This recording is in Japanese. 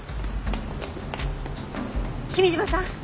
君嶋さん！